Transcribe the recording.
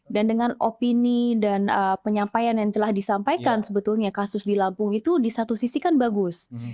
dan dengan opini dan penyampaian yang telah disampaikan sebetulnya kasus di lampung itu di satu sisi kan bagus